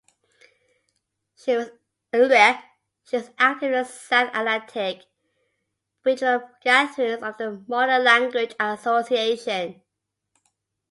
She was active in the South Atlantic regional gatherings of the Modern Language Association.